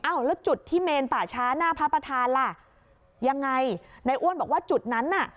แล้วจุดที่เมนป่าช้าหน้าพระประธานล่ะยังไงในอ้วนบอกว่าจุดนั้นน่ะ